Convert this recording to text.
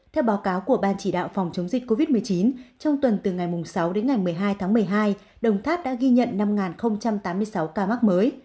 theo báo cáo của ban chỉ đạo phòng chống dịch covid một mươi chín trong tuần từ ngày sáu đến ngày một mươi hai tháng một mươi hai đồng tháp đã ghi nhận năm tám mươi sáu ca mắc mới